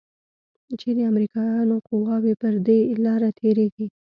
چې د امريکايانو قواوې پر دې لاره تېريږي.